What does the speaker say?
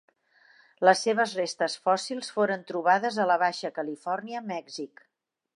Les seves restes fòssils foren trobades a la Baixa Califòrnia, Mèxic.